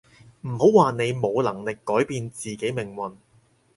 唔好話你冇能力改變自己命運